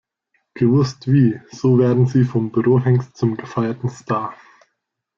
Gewusst wie: So werden Sie vom Bürohengst zum gefeierten Star!